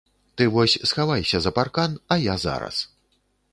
Ты вось схавайся за паркан, а я зараз.